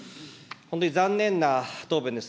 本当に残念な答弁です。